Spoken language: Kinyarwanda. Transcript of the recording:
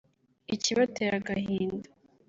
Ikibatera agahinda